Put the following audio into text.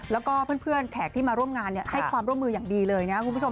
แล้วก็เพื่อนแขกที่มาร่วมงานให้ความร่วมมืออย่างดีเลยนะครับคุณผู้ชม